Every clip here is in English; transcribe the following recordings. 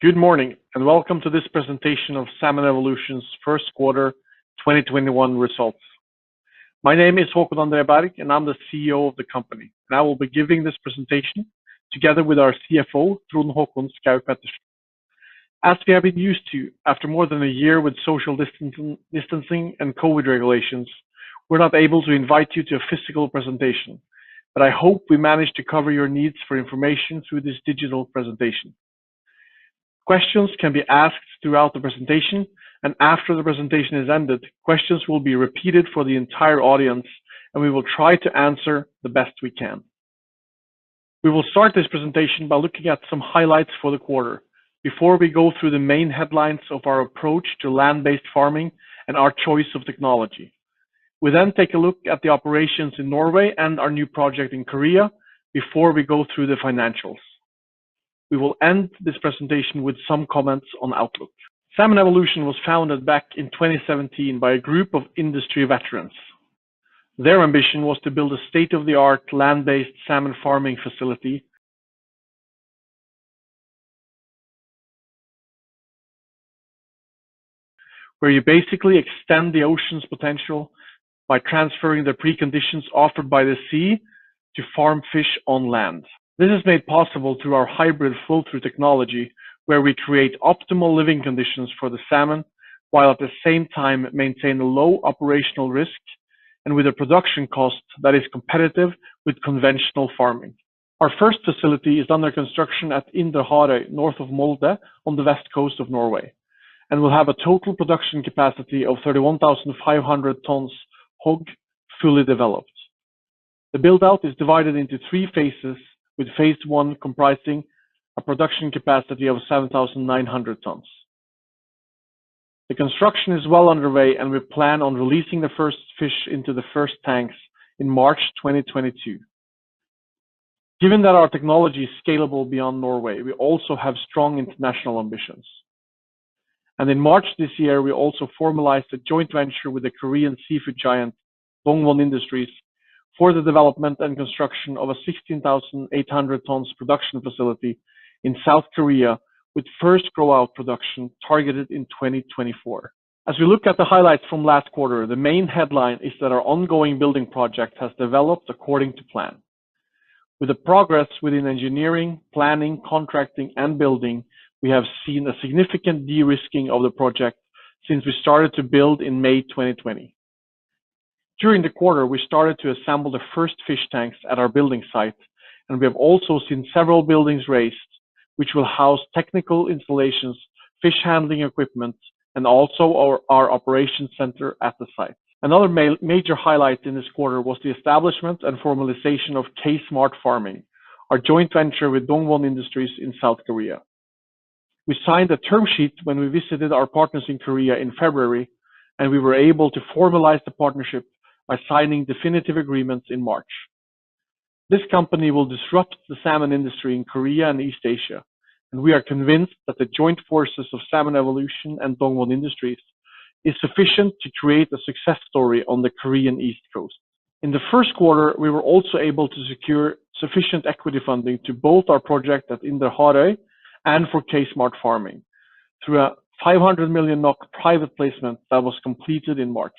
Good morning, welcome to this presentation of Salmon Evolution's first quarter 2021 results. My name is Håkon André Berg, I'm the CEO of the company, I will be giving this presentation together with our CFO, Trond Håkon Schaug-Pettersen. As we have been used to after more than a year with social distancing and COVID regulations, we're not able to invite you to a physical presentation, I hope we manage to cover your needs for information through this digital presentation. Questions can be asked throughout the presentation, after the presentation is ended, questions will be repeated for the entire audience, we will try to answer the best we can. We will start this presentation by looking at some highlights for the quarter before we go through the main headlines of our approach to land-based farming and our choice of technology. We take a look at the operations in Norway and our new project in Korea before we go through the financials. We will end this presentation with some comments on outlook. Salmon Evolution was founded back in 2017 by a group of industry veterans. Their ambition was to build a state-of-the-art land-based salmon farming facility where you basically extend the ocean's potential by transferring the preconditions offered by the sea to farm fish on land. This is made possible through our hybrid flow-through system technology, where we create optimal living conditions for the salmon, while at the same time maintain a low operational risk and with a production cost that is competitive with conventional farming. Our first facility is under construction at Indre Harøy, north of Molde on the west coast of Norway, and we'll have a total production capacity of 31,500 tons HOG, fully developed. The build-out is divided into three phases, with phase I comprising a production capacity of 7,900 tons. The construction is well underway, and we plan on releasing the first fish into the first tanks in March 2022. Given that our technology is scalable beyond Norway, we also have strong international ambitions. In March this year, we also formalized a joint venture with the Korean seafood giant Dongwon Industries for the development and construction of a 16,800 tons production facility in South Korea, with first grow-out production targeted in 2024. As we look at the highlights from last quarter, the main headline is that our ongoing building project has developed according to plan. With the progress within engineering, planning, contracting, and building, we have seen a significant de-risking of the project since we started to build in May 2020. During the quarter, we started to assemble the first fish tanks at our building site, and we have also seen several buildings raised, which will house technical installations, fish handling equipment, and also our operation center at the site. Another major highlight in this quarter was the establishment and formalization of K Smart Farming, our joint venture with Dongwon Industries in South Korea. We signed a term sheet when we visited our partners in Korea in February, and we were able to formalize the partnership by signing definitive agreements in March. This company will disrupt the salmon industry in Korea and East Asia, and we are convinced that the joint forces of Salmon Evolution and Dongwon Industries is sufficient to create a success story on the Korean East Coast. In the first quarter, we were also able to secure sufficient equity funding to both our project at Indre Harøy and for K Smart Farming through a 500 million NOK private placement that was completed in March.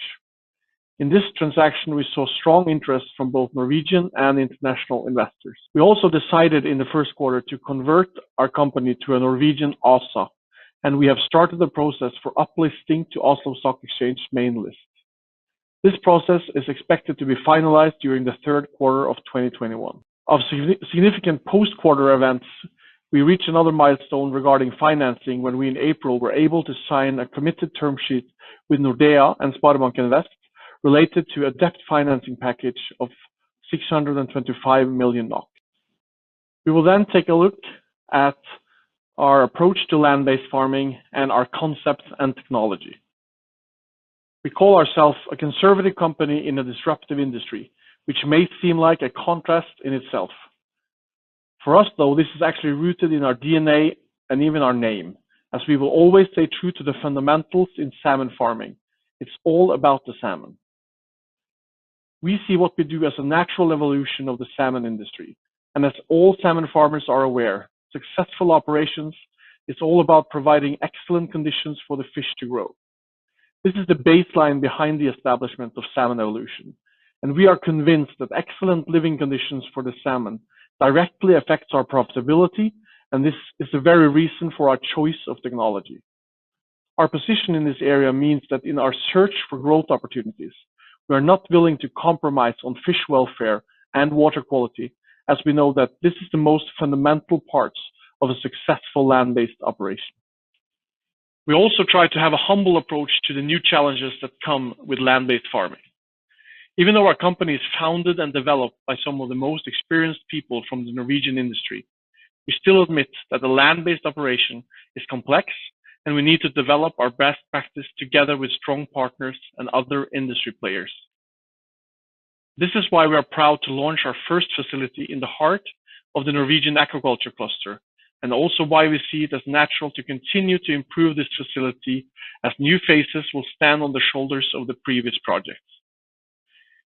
In this transaction, we saw strong interest from both Norwegian and international investors. We also decided in the first quarter to convert our company to a Norwegian ASA, and we have started the process for uplisting to Oslo Stock Exchange main list. This process is expected to be finalized during the third quarter of 2021. Of significant post-quarter events, we reached another milestone regarding financing when we, in April, were able to sign a committed term sheet with Nordea and SpareBank 1 SMN related to a debt financing package of 625 million NOK. We will take a look at our approach to land-based farming and our concepts and technology. We call ourselves a conservative company in a disruptive industry, which may seem like a contrast in itself. For us, though, this is actually rooted in our DNA and even our name, as we will always stay true to the fundamentals in salmon farming. It's all about the salmon. We see what we do as a natural evolution of the salmon industry, and as all salmon farmers are aware, successful operations is all about providing excellent conditions for the fish to grow. This is the baseline behind the establishment of Salmon Evolution, and we are convinced that excellent living conditions for the salmon directly affects our profitability, and this is the very reason for our choice of technology. Our position in this area means that in our search for growth opportunities, we are not willing to compromise on fish welfare and water quality, as we know that this is the most fundamental parts of a successful land-based operation. We also try to have a humble approach to the new challenges that come with land-based farming. Even though our company is founded and developed by some of the most experienced people from the Norwegian industry, we still admit that a land-based operation is complex and we need to develop our best practice together with strong partners and other industry players. This is why we are proud to launch our first facility in the heart of the Norwegian aquaculture cluster and also why we see it as natural to continue to improve this facility as new phases will stand on the shoulders of the previous project.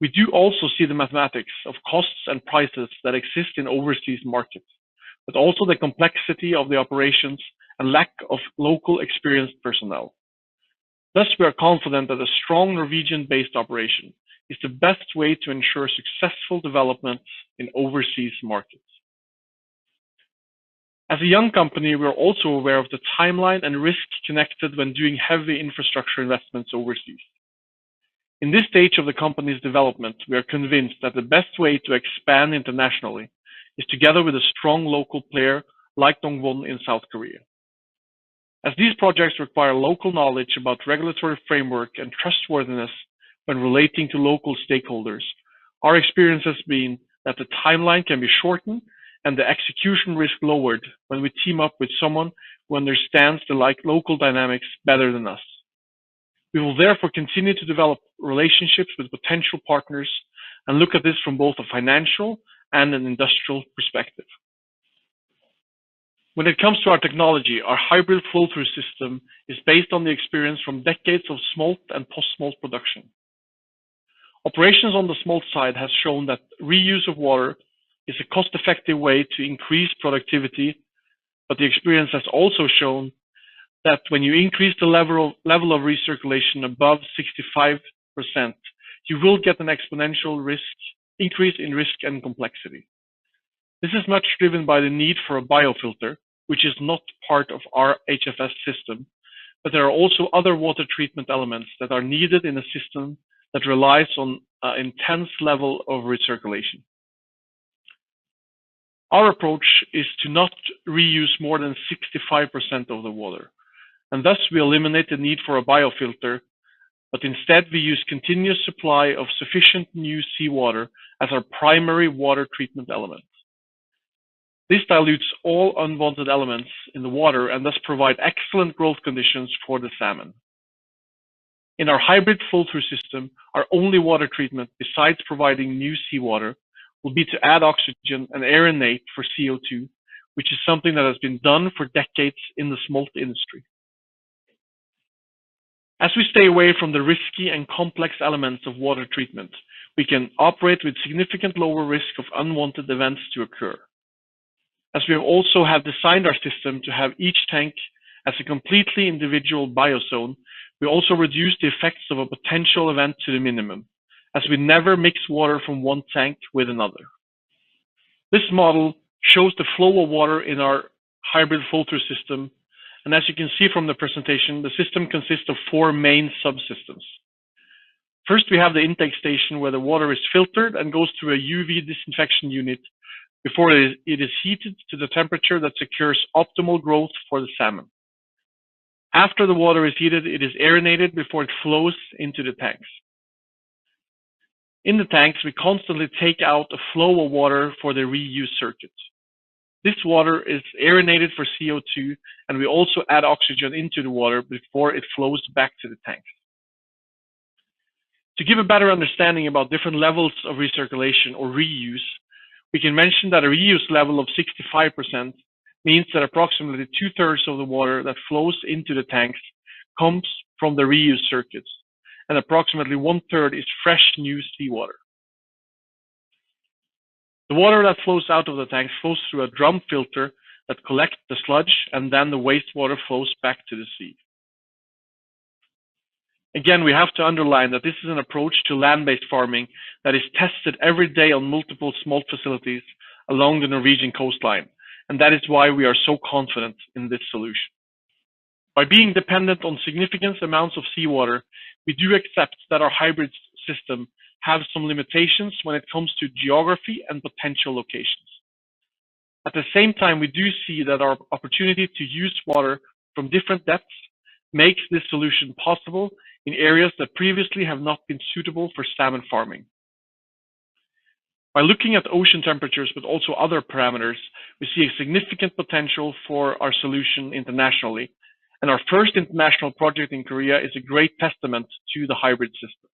We do also see the mathematics of costs and prices that exist in overseas markets, but also the complexity of the operations and lack of local experienced personnel. Thus, we are confident that a strong Norwegian-based operation is the best way to ensure successful development in overseas markets. As a young company, we are also aware of the timeline and risks connected when doing heavy infrastructure investments overseas. In this stage of the company's development, we are convinced that the best way to expand internationally is together with a strong local player like Dongwon in South Korea. As these projects require local knowledge about regulatory framework and trustworthiness when relating to local stakeholders, our experience has been that the timeline can be shortened and the execution risk lowered when we team up with someone who understands the local dynamics better than us. We will therefore continue to develop relationships with potential partners and look at this from both a financial and an industrial perspective. When it comes to our technology, our hybrid flow-through system is based on the experience from decades of smolt and post-smolt production. Operations on the smolt side have shown that reuse of water is a cost-effective way to increase productivity. The experience has also shown that when you increase the level of recirculation above 65%, you will get an exponential increase in risk and complexity. This is much driven by the need for a biofilter, which is not part of our HFS system, there are also other water treatment elements that are needed in a system that relies on an intense level of recirculation. Our approach is to not reuse more than 65% of the water, thus we eliminate the need for a biofilter. Instead we use continuous supply of sufficient new seawater as our primary water treatment element. This dilutes all unwanted elements in the water thus provide excellent growth conditions for the salmon. In our hybrid flow-through system, our only water treatment, besides providing new seawater, will be to add oxygen and aerate for CO2, which is something that has been done for decades in the smolt industry. As we stay away from the risky and complex elements of water treatment, we can operate with significant lower risk of unwanted events to occur. As we also have designed our system to have each tank as a completely individual biozone, we also reduce the effects of a potential event to the minimum, as we never mix water from one tank with another. This model shows the flow of water in our hybrid flow-through system. As you can see from the presentation, the system consists of four main subsystems. First, we have the intake station where the water is filtered and goes through a UV disinfection unit before it is heated to the temperature that secures optimal growth for the salmon. After the water is heated, it is aerated before it flows into the tanks. In the tanks, we constantly take out a flow of water for the reuse circuit. This water is aerated for CO2, and we also add oxygen into the water before it flows back to the tank. To give a better understanding about different levels of recirculation or reuse, we can mention that a reuse level of 65% means that approximately two-thirds of the water that flows into the tanks comes from the reuse circuits, and approximately one-third is fresh, new seawater. The water that flows out of the tank flows through a drum filter that collects the sludge, and then the wastewater flows back to the sea. Again, we have to underline that this is an approach to land-based farming that is tested every day on multiple smolt facilities along the Norwegian coastline, and that is why we are so confident in this solution. By being dependent on significant amounts of seawater, we do accept that our hybrid system has some limitations when it comes to geography and potential locations. At the same time, we do see that our opportunity to use water from different depths makes this solution possible in areas that previously have not been suitable for salmon farming. By looking at ocean temperatures but also other parameters, we see a significant potential for our solution internationally, and our first international project in Korea is a great testament to the hybrid system.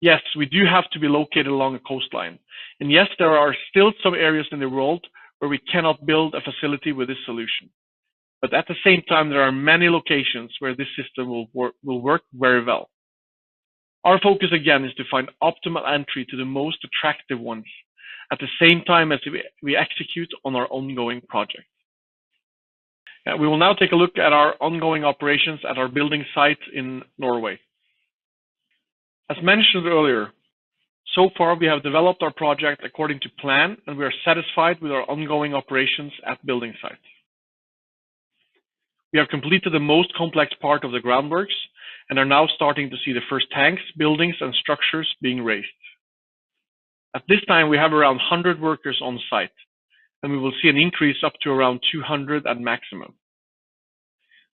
Yes, we do have to be located along a coastline, and yes, there are still some areas in the world where we cannot build a facility with this solution. At the same time, there are many locations where this system will work very well. Our focus again is to find optimal entry to the most attractive ones at the same time as we execute on our ongoing projects. We will now take a look at our ongoing operations at our building site in Norway. As mentioned earlier, so far we have developed our project according to plan, and we are satisfied with our ongoing operations at building sites. We have completed the most complex part of the groundworks and are now starting to see the first tanks, buildings, and structures being raised. At this time, we have around 100 workers on site, and we will see an increase up to around 200 at maximum.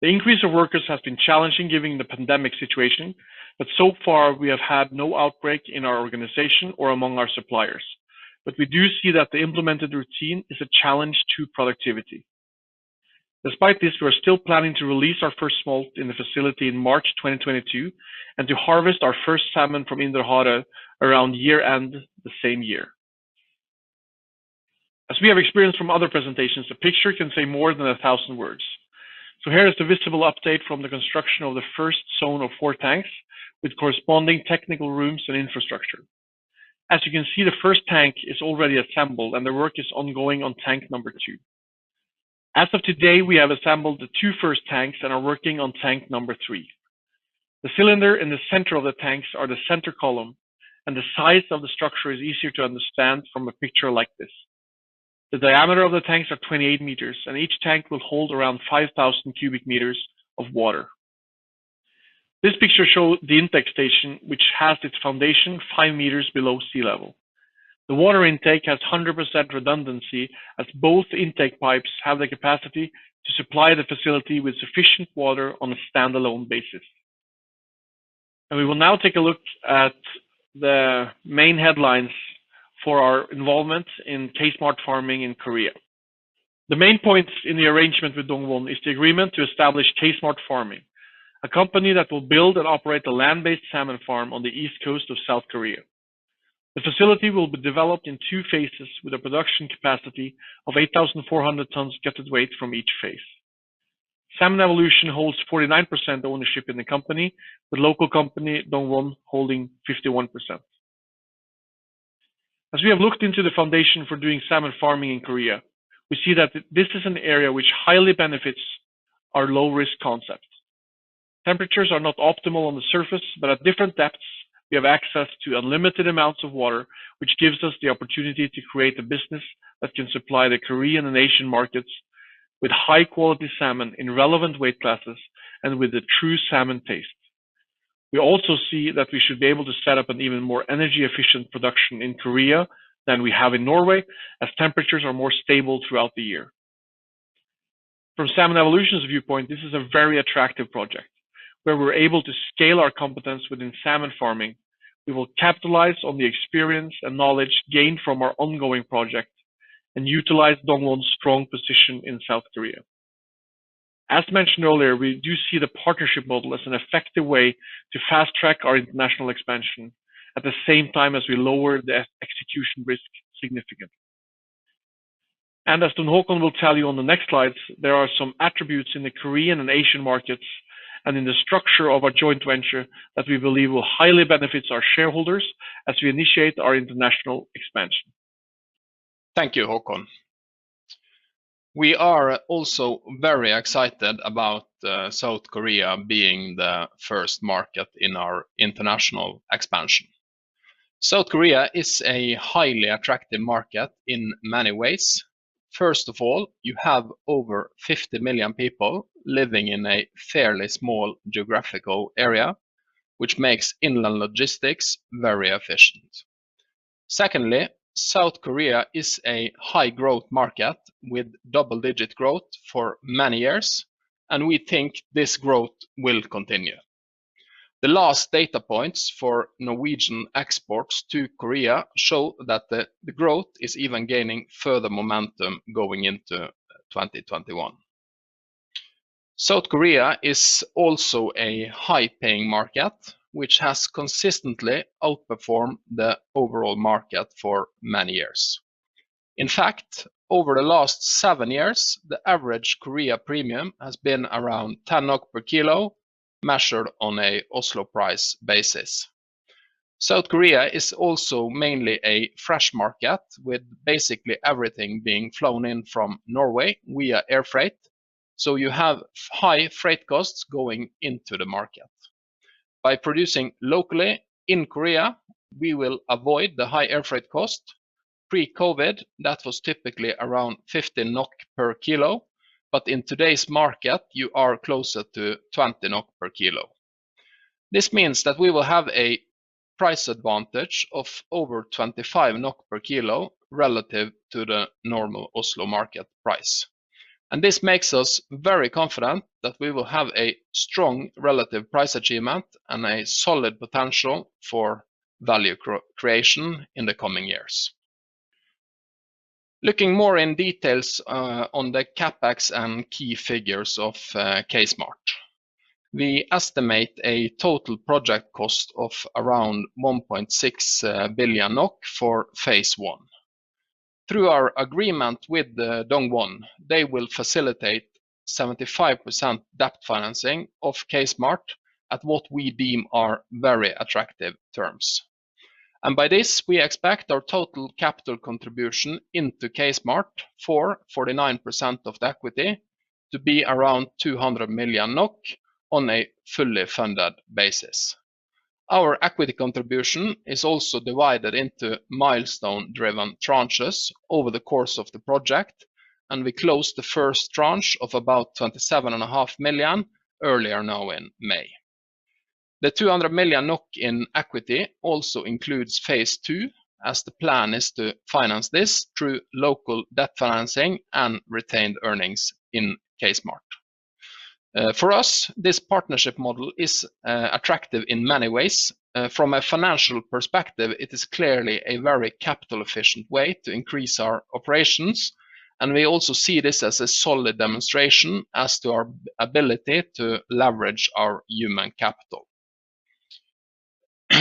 The increase of workers has been challenging given the pandemic situation, but so far we have had no outbreak in our organization or among our suppliers. We do see that the implemented routine is a challenge to productivity. Despite this, we are still planning to release our first smolt in the facility in March 2022 and to harvest our first salmon from Indre Harøy around year-end the same year. We have experienced from other presentations, a picture can say more than a thousand words. Here is the visible update from the construction of the first zone of four tanks with corresponding technical rooms and infrastructure. You can see, the first tank is already assembled and the work is ongoing on tank number two. Of today, we have assembled the two first tanks and are working on tank number three. The cylinder in the center of the tanks are the center column, and the size of the structure is easier to understand from a picture like this. The diameter of the tanks are 28 m, and each tank will hold around 5,000 cu m of water. This picture shows the intake station, which has its foundation five meters below sea level. The water intake has 100% redundancy, as both intake pipes have the capacity to supply the facility with sufficient water on a standalone basis. We will now take a look at the main headlines for our involvement in K Smart Farming in Korea. The main points in the arrangement with Dongwon is the agreement to establish K Smart Farming, a company that will build and operate a land-based salmon farm on the east coast of South Korea. The facility will be developed in two phases with a production capacity of 8,400 tonnes gutted weight from each phase. Salmon Evolution holds 49% ownership in the company, with local company Dongwon holding 51%. As we have looked into the foundation for doing salmon farming in Korea, we see that this is an area which highly benefits our low-risk concept. Temperatures are not optimal on the surface, at different depths, we have access to unlimited amounts of water, which gives us the opportunity to create a business that can supply the Korean and Asian markets with high-quality salmon in relevant weight classes and with a true salmon taste. We also see that we should be able to set up an even more energy-efficient production in Korea than we have in Norway, as temperatures are more stable throughout the year. From Salmon Evolution's viewpoint, this is a very attractive project where we're able to scale our competence within salmon farming. We will capitalize on the experience and knowledge gained from our ongoing project and utilize Dongwon's strong position in South Korea. As mentioned earlier, we do see the partnership model as an effective way to fast-track our international expansion at the same time as we lower the execution risk significantly. As Trond Håkon will tell you on the next slide, there are some attributes in the Korean and Asian markets and in the structure of our joint venture that we believe will highly benefit our shareholders as we initiate our international expansion. Thank you, Håkon. We are also very excited about South Korea being the first market in our international expansion. South Korea is a highly attractive market in many ways. First of all, you have over 50 million people living in a fairly small geographical area, which makes inland logistics very efficient. Secondly, South Korea is a high-growth market with double-digit growth for many years, and we think this growth will continue. The last data points for Norwegian exports to Korea show that the growth is even gaining further momentum going into 2021. South Korea is also a high-paying market, which has consistently outperformed the overall market for many years. In fact, over the last seven years, the average Korea premium has been around 10 NOK per kilo, measured on a Oslo price basis. South Korea is also mainly a fresh market, with basically everything being flown in from Norway via air freight, so you have high freight costs going into the market. By producing locally in Korea, we will avoid the high air freight cost. Pre-COVID, that was typically around 15 NOK per kilo, but in today's market, you are closer to 20 NOK per kilo. This means that we will have a price advantage of over 25 NOK per kilo relative to the normal Oslo market price. This makes us very confident that we will have a strong relative price achievement and a solid potential for value creation in the coming years. Looking more in details on the CapEx and key figures of K Smart. We estimate a total project cost of around 1.6 billion NOK for phase I. Through our agreement with Dongwon, they will facilitate 75% debt financing of K Smart at what we deem are very attractive terms. By this, we expect our total capital contribution into K Smart for 49% of the equity to be around 200 million NOK on a fully funded basis. Our equity contribution is also divided into milestone-driven tranches over the course of the project, and we closed the first tranche of about 27.5 million earlier now in May. The 200 million NOK in equity also includes phase two, as the plan is to finance this through local debt financing and retained earnings in K Smart. For us, this partnership model is attractive in many ways. From a financial perspective, it is clearly a very capital-efficient way to increase our operations, and we also see this as a solid demonstration as to our ability to leverage our human capital.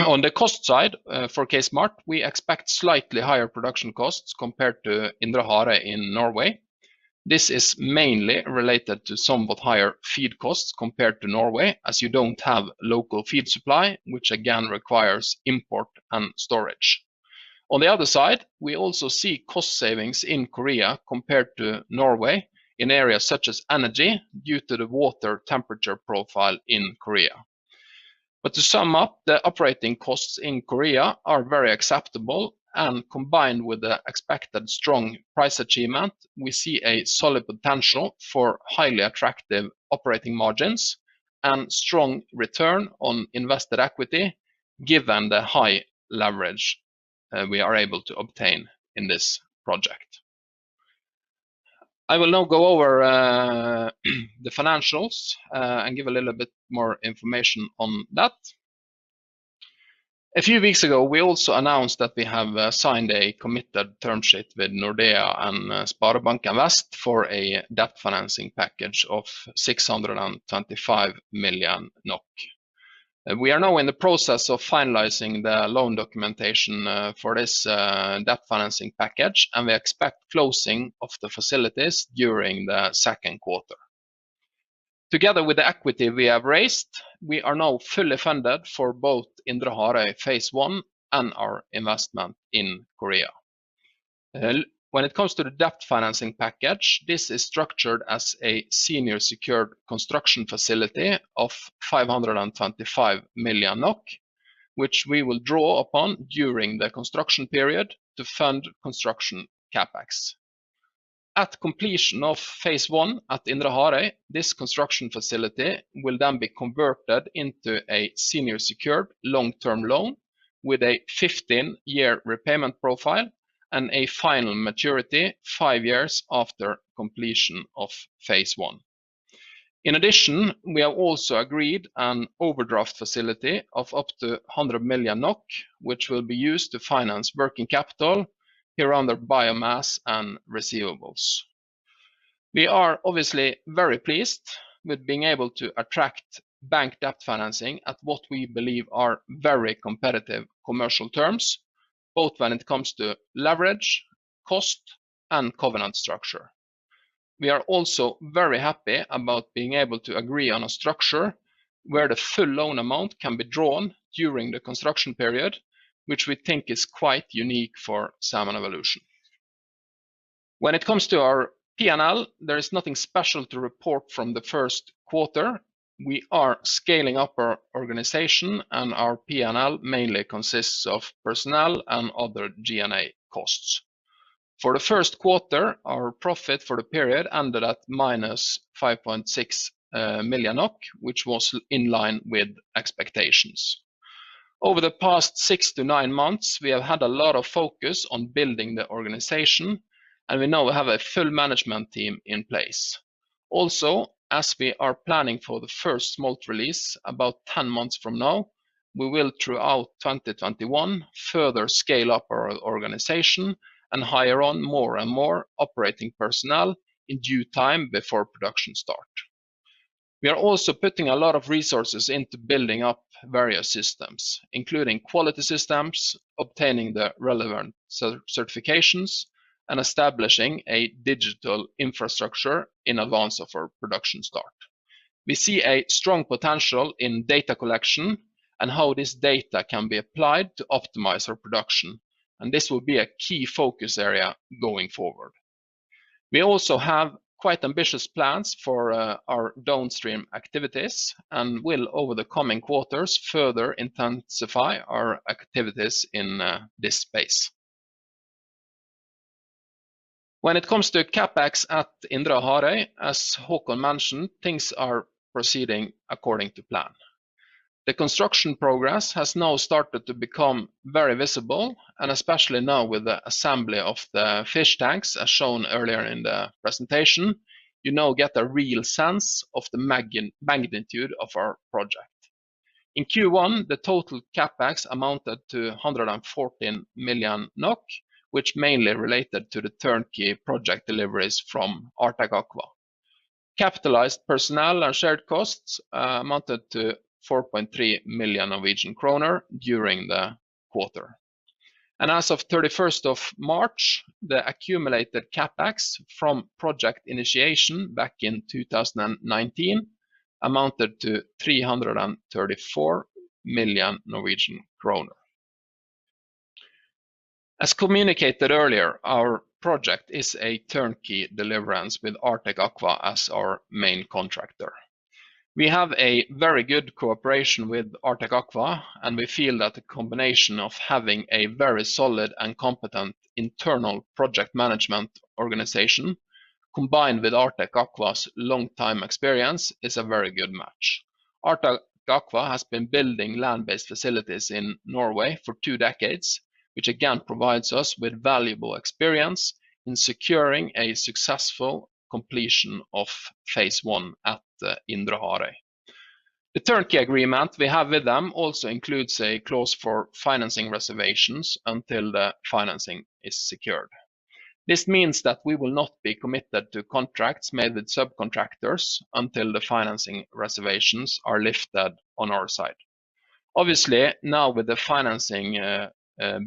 On the cost side for K Smart, we expect slightly higher production costs compared to Indre Harøy in Norway. This is mainly related to somewhat higher feed costs compared to Norway, as you don't have local feed supply, which again requires import and storage. On the other side, we also see cost savings in Korea compared to Norway in areas such as energy due to the water temperature profile in Korea. To sum up, the operating costs in Korea are very acceptable and combined with the expected strong price achievement, we see a solid potential for highly attractive operating margins and strong return on invested equity given the high leverage that we are able to obtain in this project. I will now go over the financials and give a little bit more information on that. A few weeks ago, we also announced that we have signed a committed term sheet with Nordea and SpareBank 1 SMN for a debt financing package of 625 million NOK. We are now in the process of finalizing the loan documentation for this debt financing package, and we expect closing of the facilities during the second quarter. Together with the equity we have raised, we are now fully funded for both Indre Harøy phase one and our investment in Korea. When it comes to the debt financing package, this is structured as a senior secured construction facility of 525 million NOK, which we will draw upon during the construction period to fund construction CapEx. At completion of phase I at Indre Harøy, this construction facility will then be converted into a senior secured long-term loan with a 15-year repayment profile and a final maturity five years after completion of phase I. In addition, we have also agreed an overdraft facility of up to 100 million NOK, which will be used to finance working capital here under biomass and receivables. We are obviously very pleased with being able to attract bank debt financing at what we believe are very competitive commercial terms, both when it comes to leverage, cost, and covenant structure. We are also very happy about being able to agree on a structure where the full loan amount can be drawn during the construction period, which we think is quite unique for Salmon Evolution. When it comes to our P&L, there is nothing special to report from the first quarter. We are scaling up our organization and our P&L mainly consists of personnel and other G&A costs. For the first quarter, our profit for the period ended at -5.6 million, which was in line with expectations. Over the past six to nine months, we have had a lot of focus on building the organization, and we now have a full management team in place. As we are planning for the first smolt release about 10 months from now, we will throughout 2021 further scale up our organization and hire on more and more operating personnel in due time before production start. We are also putting a lot of resources into building up various systems, including quality systems, obtaining the relevant certifications, and establishing a digital infrastructure in advance of our production start. We see a strong potential in data collection and how this data can be applied to optimize our production. This will be a key focus area going forward. We also have quite ambitious plans for our downstream activities and will over the coming quarters further intensify our activities in this space. When it comes to CapEx at Indre Harøy, as Håkon mentioned, things are proceeding according to plan. The construction progress has now started to become very visible, and especially now with the assembly of the fish tanks, as shown earlier in the presentation, you now get a real sense of the magnitude of our project. In Q1, the total CapEx amounted to 114 million NOK, which mainly related to the turnkey project deliveries from Artec Aqua. Capitalized personnel and shared costs amounted to 4.3 million Norwegian kroner during the quarter. As of 31st of March, the accumulated CapEx from project initiation back in 2019 amounted to NOK 334 million. As communicated earlier, our project is a turnkey deliverance with Artec Aqua as our main contractor. We have a very good cooperation with Artec Aqua, and we feel that the combination of having a very solid and competent internal project management organization combined with Artec Aqua's long time experience is a very good match. Artec Aqua has been building land-based facilities in Norway for two decades, which again provides us with valuable experience in securing a successful completion of phase I at Indre Harøy. The turnkey agreement we have with them also includes a clause for financing reservations until the financing is secured. This means that we will not be committed to contracts made with subcontractors until the financing reservations are lifted on our side. Obviously, now with the financing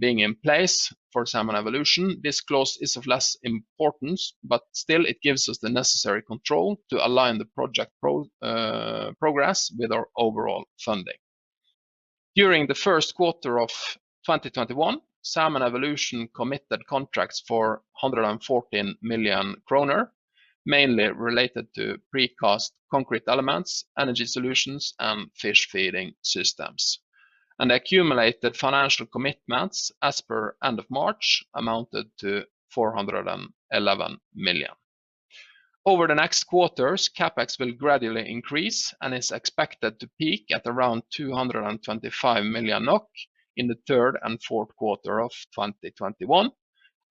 being in place for Salmon Evolution, this clause is of less importance, but still it gives us the necessary control to align the project progress with our overall funding. During the first quarter of 2021, Salmon Evolution committed contracts for 114 million kroner, mainly related to precast concrete elements, energy solutions, and fish feeding systems. Accumulated financial commitments as per end of March amounted to 411 million. Over the next quarters, CapEx will gradually increase and is expected to peak at around 225 million NOK in the third and fourth quarter of 2021,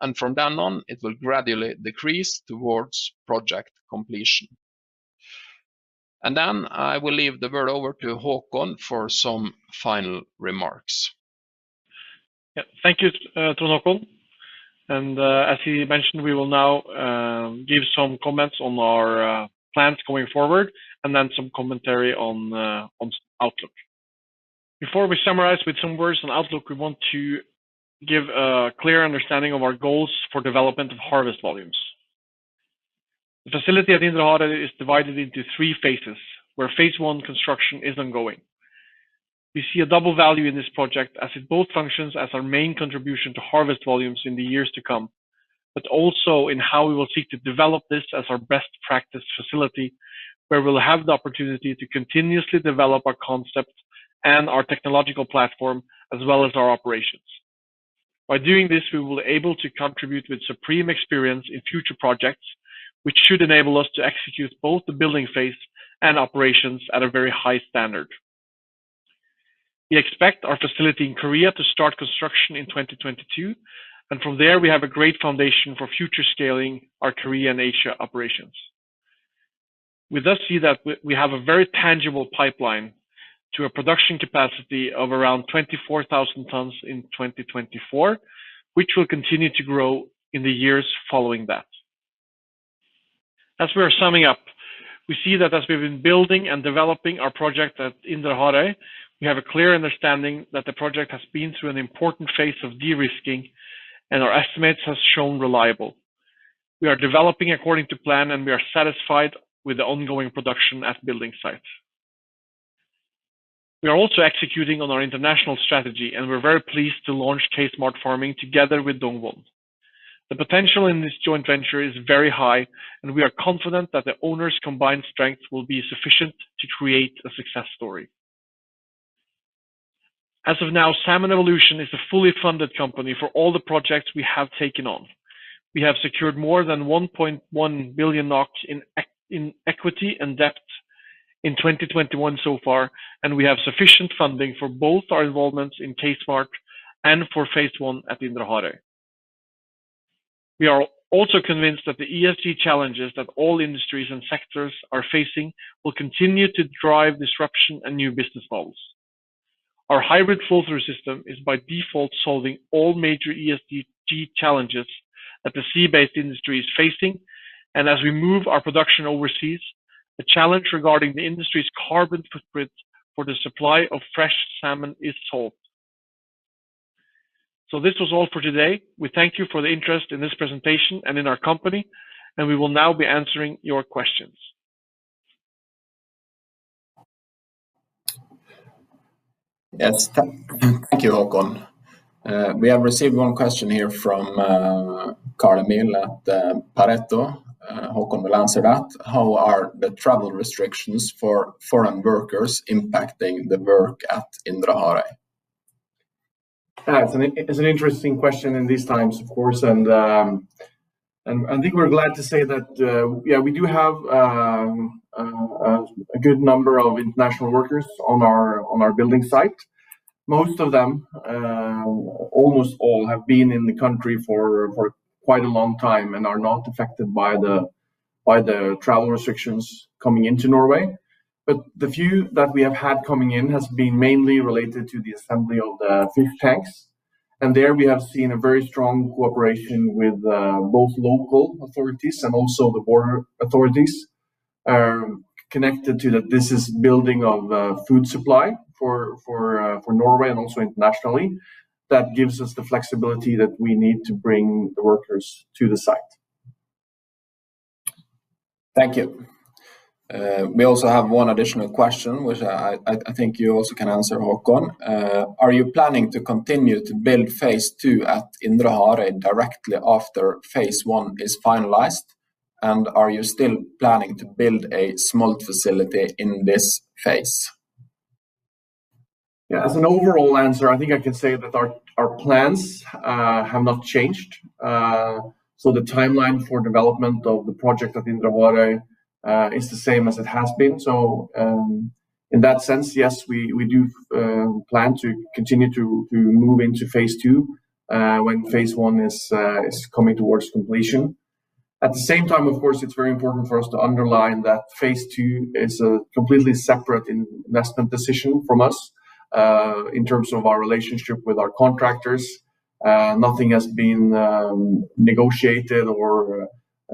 and from then on, it will gradually decrease towards project completion. I will leave the word over to Håkon for some final remarks. Thank you to Trond Håkon. As he mentioned, we will now give some comments on our plans going forward and then some commentary on some outlook. Before we summarize with some words on outlook, we want to give a clear understanding of our goals for development of harvest volumes. The facility at Indre Harøy is divided into three phases, where phase I construction is ongoing. We see a double value in this project as it both functions as our main contribution to harvest volumes in the years to come, but also in how we will seek to develop this as our best practice facility, where we'll have the opportunity to continuously develop our concepts and our technological platform, as well as our operations. By doing this, we will able to contribute with supreme experience in future projects, which should enable us to execute both the building phase and operations at a very high standard. We expect our facility in Korea to start construction in 2022, and from there, we have a great foundation for future scaling our Korea and Asia operations. We do see that we have a very tangible pipeline to a production capacity of around 24,000 tons in 2024, which will continue to grow in the years following that. As we are summing up, we see that as we've been building and developing our project at Indre Harøy, we have a clear understanding that the project has been through an important phase of de-risking, and our estimates have shown reliable. We are developing according to plan, and we are satisfied with the ongoing production at building sites. We are also executing on our international strategy. We're very pleased to launch K Smart Farming together with Dongwon. The potential in this joint venture is very high. We are confident that the owners' combined strength will be sufficient to create a success story. As of now, Salmon Evolution is a fully funded company for all the projects we have taken on. We have secured more than 1.1 billion NOK in equity and debt in 2021 so far. We have sufficient funding for both our involvements in K Smart and for phase I at Indre Harøy. We are also convinced that the ESG challenges that all industries and sectors are facing will continue to drive disruption and new business models. Our hybrid flow-through system is by default solving all major ESG challenges that the sea-based industry is facing, and as we move our production overseas, the challenge regarding the industry's carbon footprint for the supply of fresh salmon is solved. This was all for today. We thank you for the interest in this presentation and in our company, and we will now be answering your questions. Yes. Thank you, Håkon. We have received one question here from Carl-Emil at Pareto. Håkon will answer that. How are the travel restrictions for foreign workers impacting the work at Indre Harøy? Yeah. It's an interesting question in these times, of course, and I think we're glad to say that, yeah, we do have a good number of international workers on our building site. Most of them, almost all, have been in the country for quite a long time and are not affected by the travel restrictions coming into Norway. The few that we have had coming in has been mainly related to the assembly of the fish tanks, and there we have seen a very strong cooperation with both local authorities and also the border authorities, connected to that this is building of a food supply for Norway and also internationally. That gives us the flexibility that we need to bring the workers to the site. Thank you. We also have one additional question, which I think you also can answer, Håkon. Are you planning to continue to build phase II at Indre Harøy directly after phase I is finalized? Are you still planning to build a smolt facility in this phase? Yeah. As an overall answer, I think I can say that our plans have not changed. The timeline for development of the project at Indre Harøy is the same as it has been. In that sense, yes, we do plan to continue to move into phase II when phase I is coming towards completion. At the same time, of course, it's very important for us to underline that phase II is a completely separate investment decision from us in terms of our relationship with our contractors. Nothing has been negotiated or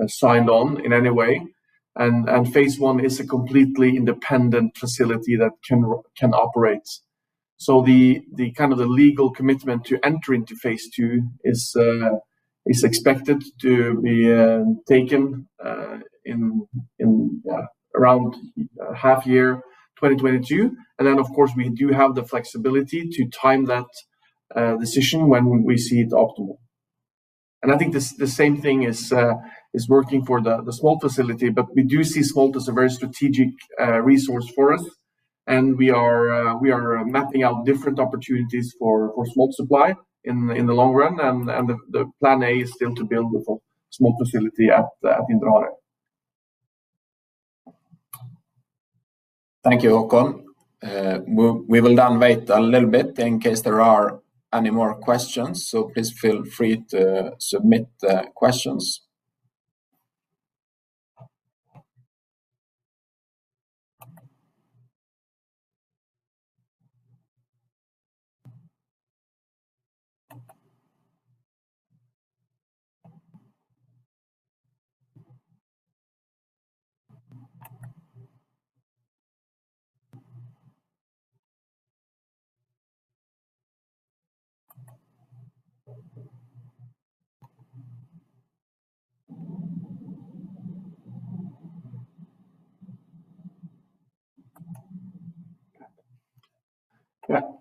signed on in any way. Phase I is a completely independent facility that can operate. The legal commitment to enter into phase II is expected to be taken in around half year 2022. Of course, we do have the flexibility to time that decision when we see it optimal. I think the same thing is working for the smolt facility. We do see smolt as a very strategic resource for us, and we are mapping out different opportunities for smolt supply in the long run, and the plan A is still to build the smolt facility at Indre Harøy. Thank you, Håkon. We will wait a little bit in case there are any more questions, so please feel free to submit the questions.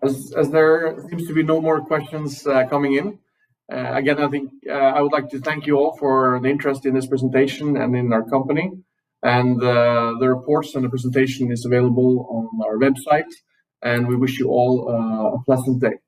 As there seems to be no more questions coming in, again, I would like to thank you all for the interest in this presentation and in our company. The reports and the presentation is available on our website, and we wish you all a pleasant day.